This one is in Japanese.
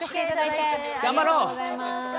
頑張ろう！